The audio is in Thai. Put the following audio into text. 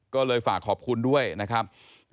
ก็เลยฝากขอบคุณด้วยนะครับ